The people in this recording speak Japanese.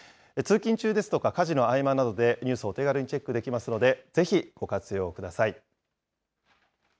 通勤中ですとか、家事の合間などでニュースをお手軽にチェックできますので、ぜひご活用ください。